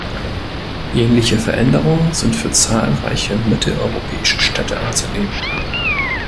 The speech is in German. Ähnliche Veränderungen sind für zahlreiche mitteleuropäische Städte anzunehmen.